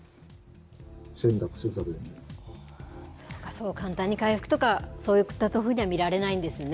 そう簡単に回復とか、そういったふうには見られないんですね。